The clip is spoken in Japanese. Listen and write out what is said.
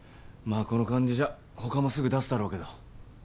まあこの感じじゃ他もすぐ出すだろうけど。